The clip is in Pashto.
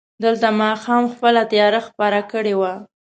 دلته ماښام خپله تياره خپره کړې وه.